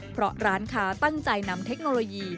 เพราะร้านค้าตั้งใจนำเทคโนโลยี